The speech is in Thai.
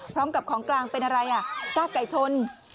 พร้อมกับของกลางเป็นอะไรอ่ะซากไก่ชน